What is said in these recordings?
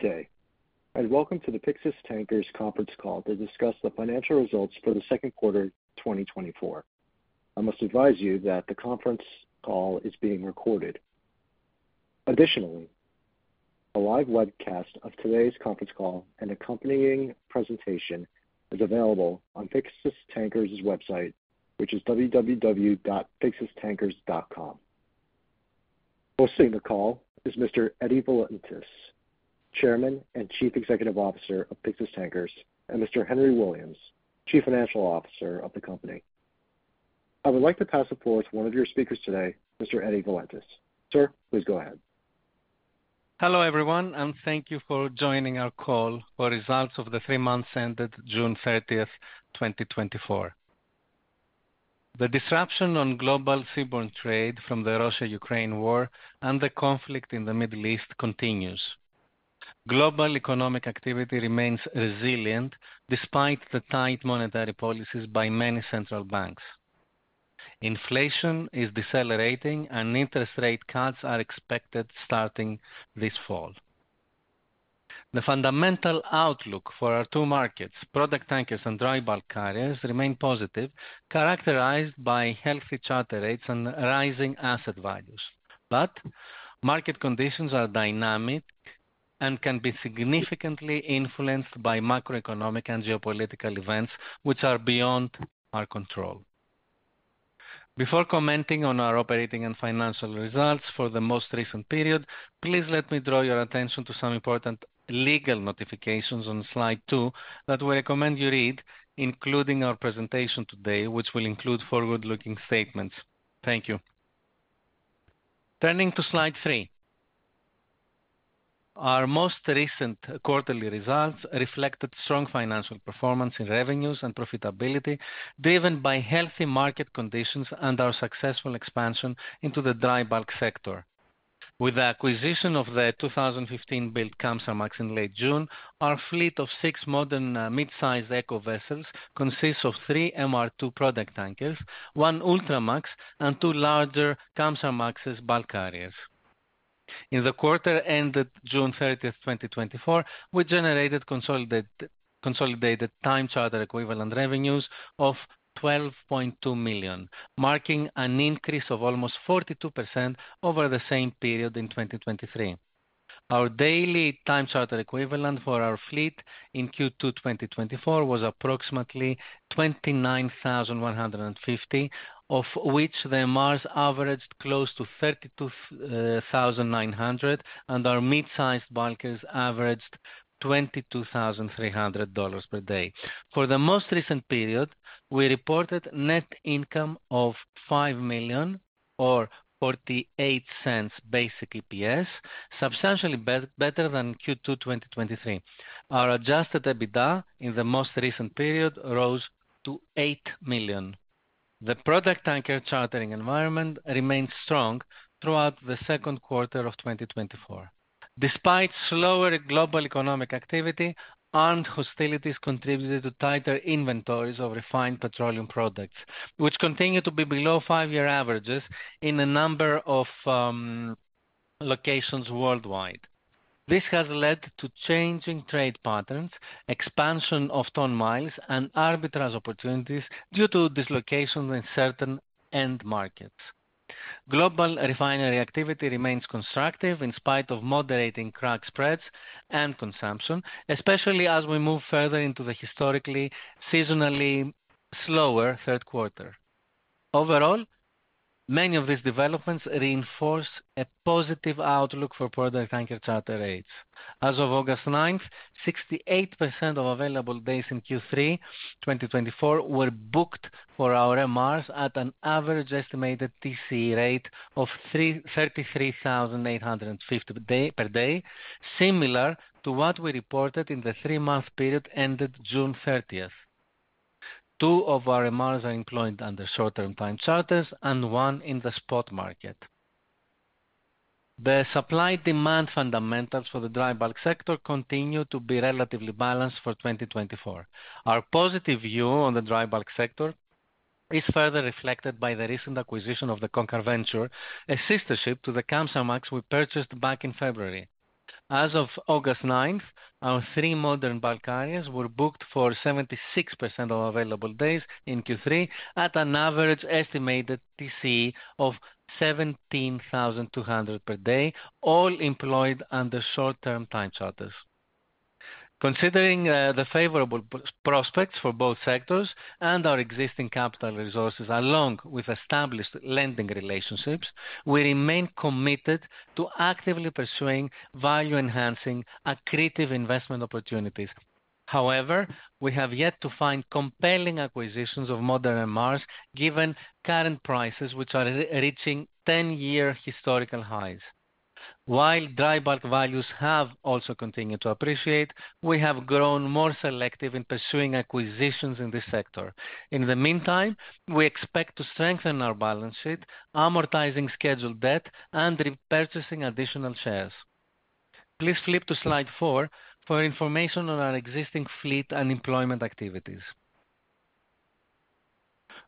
Good day, and welcome to the Pyxis Tankers conference call to discuss the financial results for the second quarter, 2024. I must advise you that the conference call is being recorded. Additionally, a live webcast of today's conference call and accompanying presentation is available on Pyxis Tankers' website, which is www.pyxistankers.com. Hosting the call is Mr. Eddie Valentis, Chairman and Chief Executive Officer of Pyxis Tankers, and Mr. Henry Williams, Chief Financial Officer of the company. I would like to pass the floor to one of your speakers today, Mr. Eddie Valentis. Sir, please go ahead. Hello, everyone, and thank you for joining our call for results of the three months ended June 30, 2024. The disruption on global seaborne trade from the Russia-Ukraine war and the conflict in the Middle East continues. Global economic activity remains resilient despite the tight monetary policies by many central banks. Inflation is decelerating and interest rate cuts are expected starting this fall. The fundamental outlook for our two markets, product tankers and dry bulk carriers, remain positive, characterized by healthy charter rates and rising asset values. But market conditions are dynamic and can be significantly influenced by macroeconomic and geopolitical events which are beyond our control. Before commenting on our operating and financial results for the most recent period, please let me draw your attention to some important legal notifications on slide 2 that we recommend you read, including our presentation today, which will include forward-looking statements. Thank you. Turning to slide 3. Our most recent quarterly results reflected strong financial performance in revenues and profitability, driven by healthy market conditions and our successful expansion into the dry bulk sector. With the acquisition of the 2015-built Kamsarmax in late June, our fleet of six modern mid-sized eco vessels consists of three MR2 product tankers, one Ultramax, and two larger Kamsarmax bulk carriers. In the quarter ended June 30, 2024, we generated consolidated time charter equivalent revenues of $12.2 million, marking an increase of almost 42% over the same period in 2023. Our daily time charter equivalent for our fleet in Q2 2024 was approximately $29,150, of which the MRs averaged close to $32,900, and our mid-sized bulkers averaged $22,300 per day. For the most recent period, we reported net income of $5 million or $0.48 basic EPS, substantially better than Q2 2023. Our adjusted EBITDA in the most recent period rose to $8 million. The product tanker chartering environment remained strong throughout the second quarter of 2024. Despite slower global economic activity, armed hostilities contributed to tighter inventories of refined petroleum products, which continue to be below 5-year averages in a number of locations worldwide. This has led to changing trade patterns, expansion of ton miles, and arbitrage opportunities due to dislocation in certain end markets. Global refinery activity remains constructive in spite of moderating crack spreads and consumption, especially as we move further into the historically, seasonally slower third quarter. Overall, many of these developments reinforce a positive outlook for product tanker charter rates. As of August 9, 68% of available days in Q3 2024 were booked for our MRs at an average estimated TCE rate of $33,850 per day, similar to what we reported in the three-month period ended June 30. Two of our MRs are employed under short-term time charters and one in the spot market. The supply-demand fundamentals for the dry bulk sector continue to be relatively balanced for 2024. Our positive view on the dry bulk sector is further reflected by the recent acquisition of the Konkar Venture, a sister ship to the Kamsarmax we purchased back in February. As of August 9, our three modern bulk carriers were booked for 76% of available days in Q3 at an average estimated TCE of $17,200 per day, all employed under short-term time charters. Considering the favorable prospects for both sectors and our existing capital resources, along with established lending relationships, we remain committed to actively pursuing value-enhancing, accretive investment opportunities. However, we have yet to find compelling acquisitions of modern MRs, given current prices, which are reaching 10-year historical highs. While dry bulk values have also continued to appreciate, we have grown more selective in pursuing acquisitions in this sector. In the meantime, we expect to strengthen our balance sheet, amortizing scheduled debt and repurchasing additional shares. Please flip to slide 4 for information on our existing fleet and employment activities.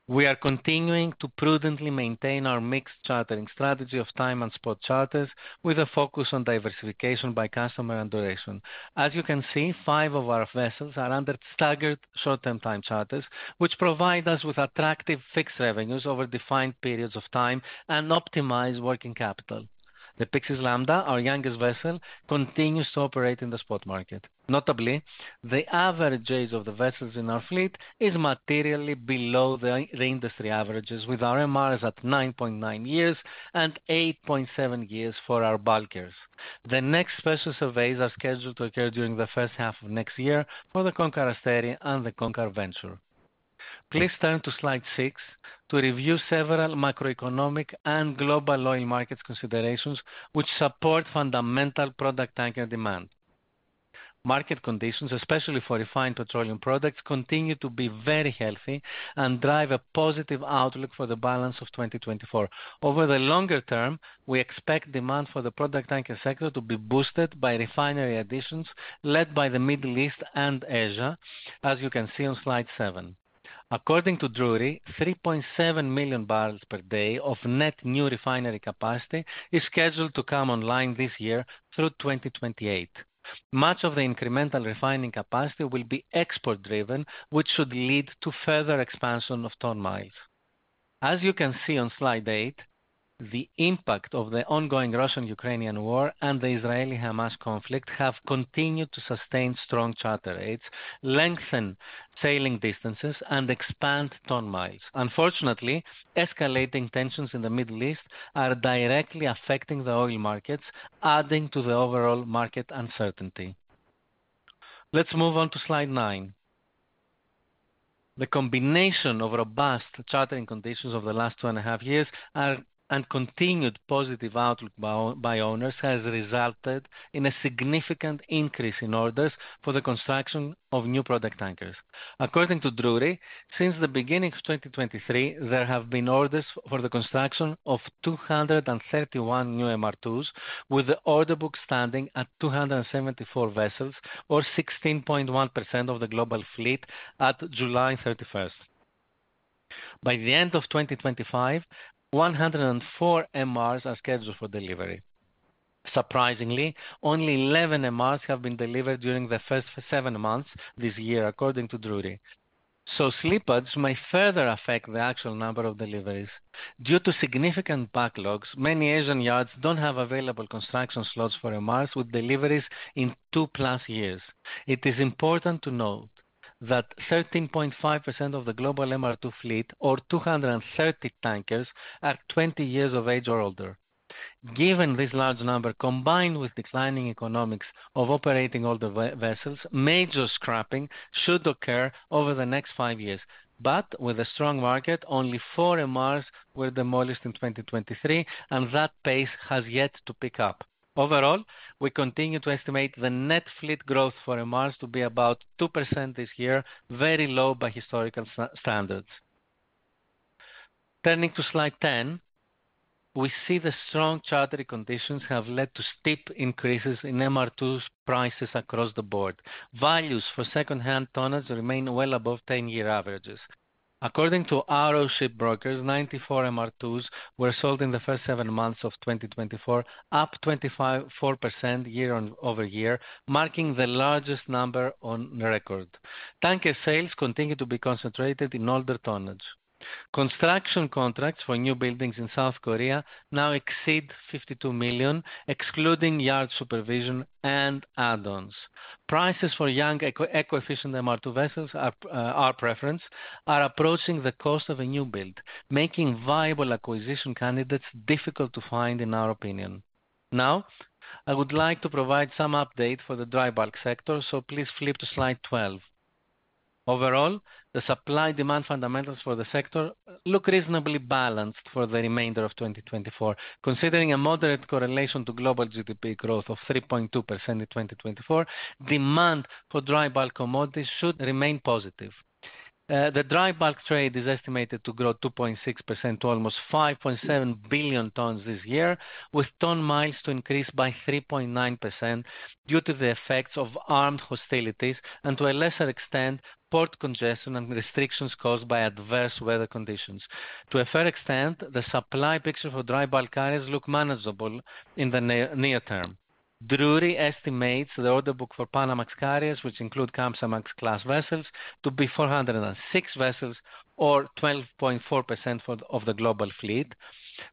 We are continuing to prudently maintain our mixed chartering strategy of time and spot charters, with a focus on diversification by customer and duration. As you can see, 5 of our vessels are under staggered short-term time charters, which provide us with attractive fixed revenues over defined periods of time and optimize working capital. The Pyxis Lambda, our youngest vessel, continues to operate in the spot market. Notably, the average age of the vessels in our fleet is materially below the industry averages, with our MRs at 9.9 years and 8.7 years for our bulkers. The next vessel surveys are scheduled to occur during the first half of next year for the Konkar Asteri and the Konkar Venture. Please turn to slide 6 to review several macroeconomic and global oil markets considerations, which support fundamental product tanker demand. Market conditions, especially for refined petroleum products, continue to be very healthy and drive a positive outlook for the balance of 2024. Over the longer term, we expect demand for the product tanker sector to be boosted by refinery additions, led by the Middle East and Asia, as you can see on slide 7. According to Drewry, 3.7 million barrels per day of net new refinery capacity is scheduled to come online this year through 2028. Much of the incremental refining capacity will be export-driven, which should lead to further expansion of ton miles. As you can see on slide 8, the impact of the ongoing Russian-Ukrainian War and the Israeli-Hamas conflict have continued to sustain strong charter rates, lengthen sailing distances and expand ton miles. Unfortunately, escalating tensions in the Middle East are directly affecting the oil markets, adding to the overall market uncertainty. Let's move on to slide 9. The combination of robust chartering conditions over the last 2.5 years are, and continued positive outlook by, by owners, has resulted in a significant increase in orders for the construction of new product tankers. According to Drewry, since the beginning of 2023, there have been orders for the construction of 231 new MR2s, with the order book standing at 274 vessels, or 16.1% of the global fleet at July 31. By the end of 2025, 104 MRs are scheduled for delivery. Surprisingly, only 11 MRs have been delivered during the first seven months this year, according to Drewry. So slippage may further affect the actual number of deliveries. Due to significant backlogs, many Asian yards don't have available construction slots for MRs with deliveries in 2+ years. It is important to note that 13.5% of the global MR2 fleet, or 230 tankers, are 20 years of age or older. Given this large number, combined with declining economics of operating all the vessels, major scrapping should occur over the next 5 years. But with a strong market, only 4 MRs were demolished in 2023, and that pace has yet to pick up. Overall, we continue to estimate the net fleet growth for MRs to be about 2% this year, very low by historical standards. Turning to slide 10, we see the strong chartering conditions have led to steep increases in MR2s prices across the board. Values for secondhand tonnage remain well above 10-year averages. According to Arrow Shipbrokers, 94 MR2s were sold in the first seven months of 2024, up 25.4% year-over-year, marking the largest number on record. Tanker sales continue to be concentrated in older tonnage. Construction contracts for newbuildings in South Korea now exceed $52 million, excluding yard supervision and add-ons. Prices for young eco, eco-efficient MR2 vessels are, our preference, are approaching the cost of a newbuild, making viable acquisition candidates difficult to find in our opinion. Now, I would like to provide some update for the dry bulk sector, so please flip to slide 12. Overall, the supply-demand fundamentals for the sector look reasonably balanced for the remainder of 2024. Considering a moderate correlation to global GDP growth of 3.2% in 2024, demand for dry bulk commodities should remain positive. The dry bulk trade is estimated to grow 2.6% to almost 5.7 billion tons this year, with ton miles to increase by 3.9% due to the effects of armed hostilities, and to a lesser extent, port congestion and restrictions caused by adverse weather conditions. To a fair extent, the supply picture for dry bulk carriers looks manageable in the near term. Drewry estimates the order book for Panamax carriers, which include Kamsarmax class vessels, to be 406 vessels, or 12.4% of the global fleet,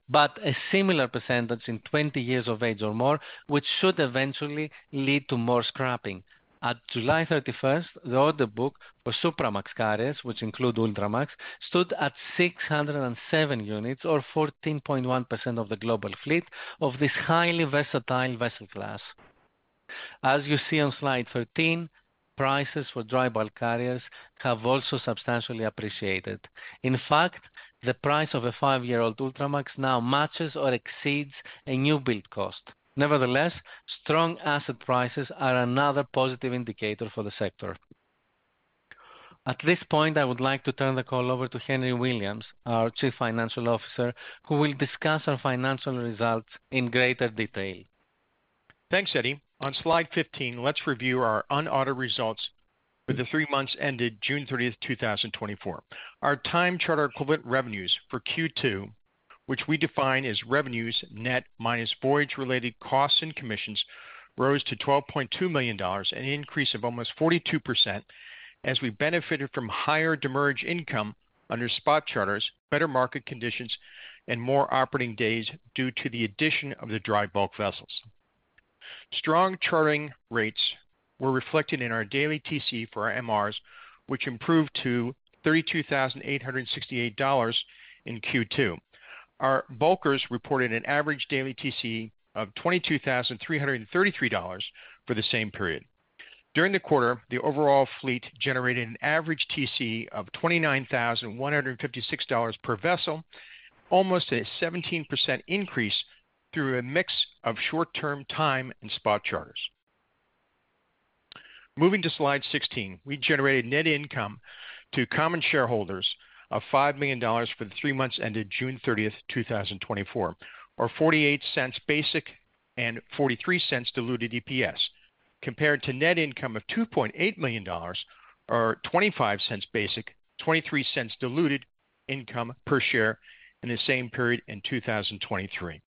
but a similar percentage in 20 years of age or more, which should eventually lead to more scrapping. At July 31st, the order book for Supramax carriers, which include Ultramax, stood at 607 units or 14.1% of the global fleet of this highly versatile vessel class. As you see on Slide 13, prices for dry bulk carriers have also substantially appreciated. In fact, the price of a 5-year-old Ultramax now matches or exceeds a newbuild cost. Nevertheless, strong asset prices are another positive indicator for the sector. At this point, I would like to turn the call over to Henry Williams, our Chief Financial Officer, who will discuss our financial results in greater detail.... Thanks, Eddie. On Slide 15, let's review our unaudited results for the three months ended June 30, 2024. Our time charter equivalent revenues for Q2, which we define as revenues net minus voyage-related costs and commissions, rose to $12.2 million, an increase of almost 42%, as we benefited from higher demurrage income under spot charters, better market conditions, and more operating days due to the addition of the dry bulk vessels. Strong chartering rates were reflected in our daily TC for our MRs, which improved to $32,868 in Q2. Our bulkers reported an average daily TC of $22,333 for the same period. During the quarter, the overall fleet generated an average TC of $29,156 per vessel, almost a 17% increase through a mix of short-term time and spot charters. Moving to Slide 16, we generated net income to common shareholders of $5 million for the three months ended June 30, 2024, or 48 cents basic and 43 cents diluted EPS, compared to net income of $2.8 million, or 25 cents basic, 23 cents diluted income per share in the same period in 2023.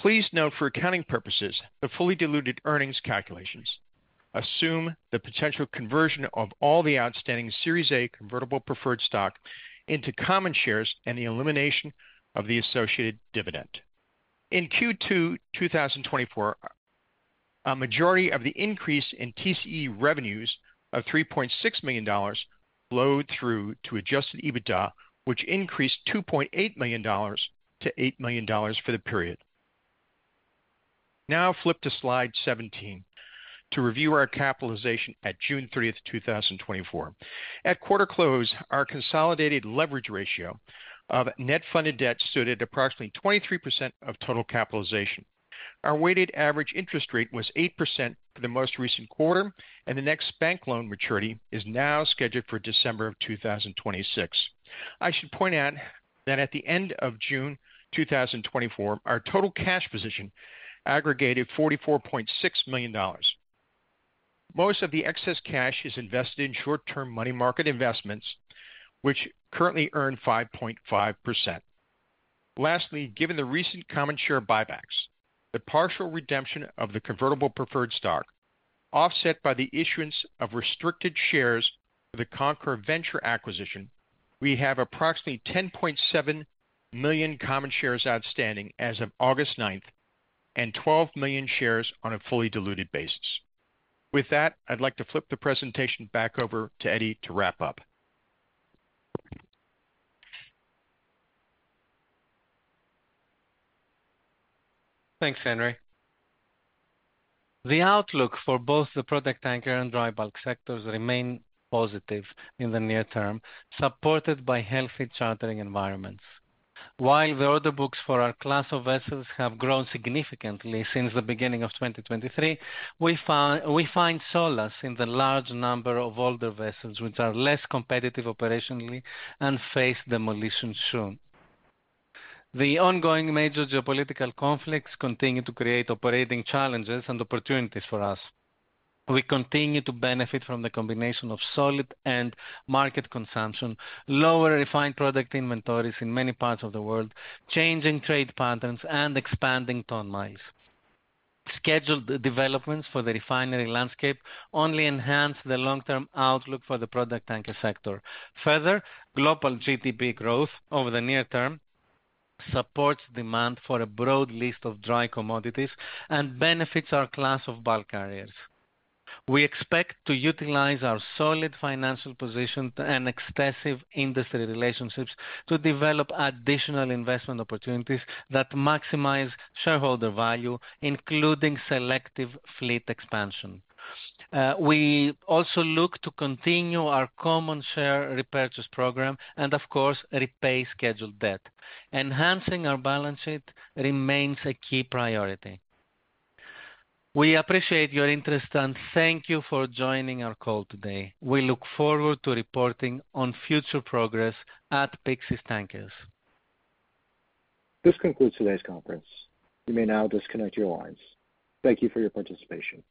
Please note, for accounting purposes, the fully diluted earnings calculations assume the potential conversion of all the outstanding Series A convertible preferred stock into common shares and the elimination of the associated dividend. In Q2 2024, a majority of the increase in TCE revenues of $3.6 million flowed through to adjusted EBITDA, which increased $2.8 million to $8 million for the period. Now flip to Slide 17 to review our capitalization at June 30, 2024. At quarter close, our consolidated leverage ratio of net funded debt stood at approximately 23% of total capitalization. Our weighted average interest rate was 8% for the most recent quarter, and the next bank loan maturity is now scheduled for December 2026. I should point out that at the end of June 2024, our total cash position aggregated $44.6 million. Most of the excess cash is invested in short-term money market investments, which currently earn 5.5%. Lastly, given the recent common share buybacks, the partial redemption of the convertible preferred stock, offset by the issuance of restricted shares for the Konkar Venture acquisition, we have approximately 10.7 million common shares outstanding as of August ninth, and 12 million shares on a fully diluted basis. With that, I'd like to flip the presentation back over to Eddie to wrap up. Thanks, Henry. The outlook for both the product tanker and dry bulk sectors remain positive in the near term, supported by healthy chartering environments. While the order books for our class of vessels have grown significantly since the beginning of 2023, we find solace in the large number of older vessels, which are less competitive operationally and face demolition soon. The ongoing major geopolitical conflicts continue to create operating challenges and opportunities for us. We continue to benefit from the combination of solid end market consumption, lower refined product inventories in many parts of the world, changing trade patterns, and expanding ton miles. Scheduled developments for the refinery landscape only enhance the long-term outlook for the product tanker sector. Further, global GDP growth over the near term supports demand for a broad list of dry commodities and benefits our class of bulk carriers. We expect to utilize our solid financial position and extensive industry relationships to develop additional investment opportunities that maximize shareholder value, including selective fleet expansion. We also look to continue our common share repurchase program and, of course, repay scheduled debt. Enhancing our balance sheet remains a key priority. We appreciate your interest and thank you for joining our call today. We look forward to reporting on future progress at Pyxis Tankers. This concludes today's conference. You may now disconnect your lines. Thank you for your participation.